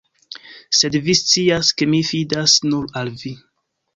Sed vi scias, ke mi fidas nur al vi.